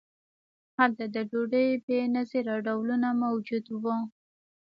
هلته د ډوډۍ بې نظیره ډولونه موجود وو.